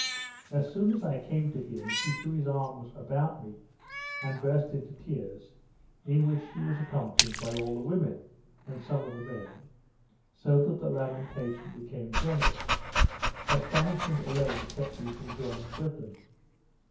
As soon as I came to him, he threw his arms about me, and burst into tears, in which he was accompanied by all the women, and some of the men, so that the lamentation became general; astonishment alone kept me from joining with them.